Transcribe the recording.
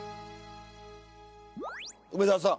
梅沢さん